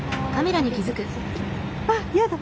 わっやだ。